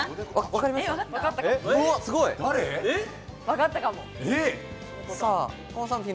わかったかも。